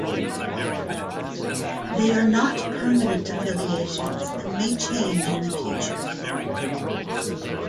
They are not permanent affiliations and may change in the future.